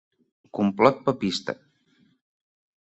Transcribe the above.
Complot papista